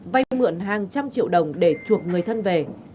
vay mượn hàng trăm triệu đồng để chuộc người thân về